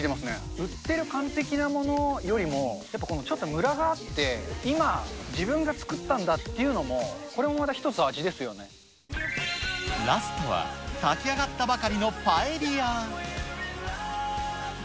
売ってる完璧なものよりも、やっぱ、このちょっとむらがあって、今自分が作ったんだっていうのも、ラストは、炊き上がったばかりのパエリア。